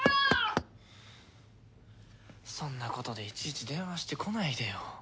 そんなことでいちいち電話してこないでよ。